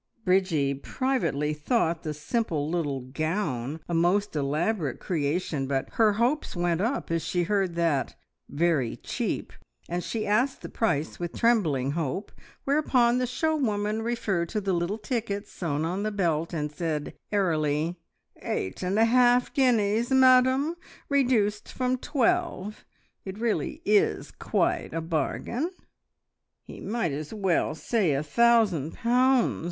Bridgie privately thought the simple little gown a most elaborate creation, but her hopes went up as she heard that "very cheap," and she asked the price with trembling hope, whereupon the show woman referred to the little ticket sewn on the belt, and said airily, "Eight and a half guineas, madam. Reduced from twelve. It really is quite a bargain." "Ye might as well say a thousand pounds!"